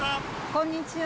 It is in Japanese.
こんにちは。